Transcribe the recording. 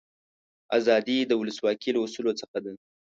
آزادي د ولسواکي له اصولو څخه ده.